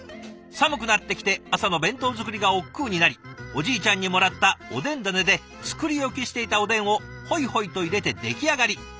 「寒くなってきて朝の弁当作りが億劫になりおじいちゃんにもらったおでんダネで作り置きしていたおでんをほいほいと入れて出来上がり。